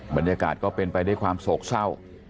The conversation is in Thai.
บรรยากาศก็เป็นไปด้วยความโศกเศร้า